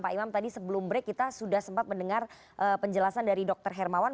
pak imam tadi sebelum break kita sudah sempat mendengar penjelasan dari dr hermawan